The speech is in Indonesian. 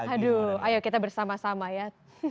aduh ayo kita bersama sama ya